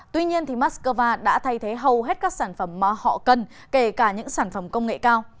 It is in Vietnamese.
tuy nhiên moscow đã thay thế hầu hết các sản phẩm mà họ cần kể cả những sản phẩm công nghệ cao